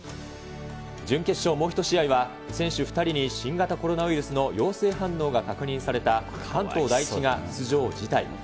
準決勝、もう１試合は選手２人に新型コロナウイルスの陽性反応が確認された、関東第一が出場辞退。